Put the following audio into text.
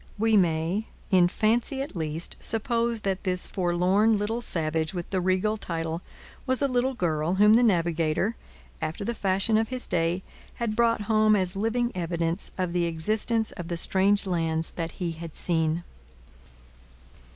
We may, in fancy at least, suppose that this forlorn little savage with the regal title was a little girl whom the navigator, after the fashion of his day, had brought home as living evidence of the existence of the strange lands that he had seen.